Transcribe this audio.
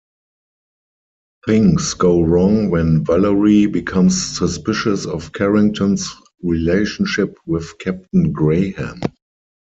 Things go wrong when Valerie becomes suspicious of Carrington's relationship with Captain Graham.